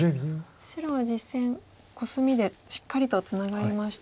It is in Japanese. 白は実戦コスミでしっかりとツナがりました。